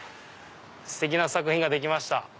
ステキな作品ができました。